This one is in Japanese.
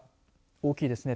大きいですね。